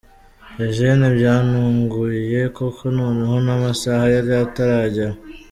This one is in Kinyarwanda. Eugene: “Byantuguye koko noneho naamasaha yari ataragera.